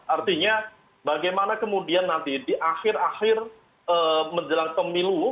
artinya bagaimana kemudian nanti di akhir akhir menjelang pemilu